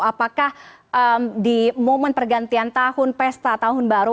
apakah di momen pergantian tahun pesta tahun baru